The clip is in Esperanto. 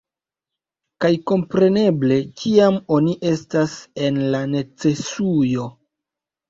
Kaj kompreneble kiam oni estas en la necesujo